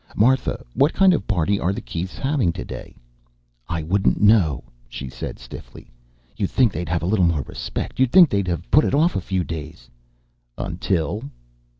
"Martha, what kind of a party are the Keiths having today?" "I wouldn't know," she said stiffly. "You'd think they'd have a little more respect. You'd think they'd put it off a few days." "Until